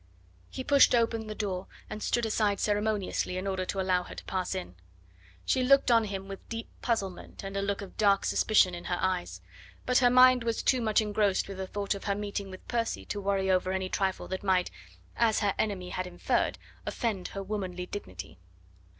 He pushed open the door, and stood aside ceremoniously in order to allow her to pass in. She looked on him with deep puzzlement and a look of dark suspicion in her eyes. But her mind was too much engrossed with the thought of her meeting with Percy to worry over any trifle that might as her enemy had inferred offend her womanly dignity.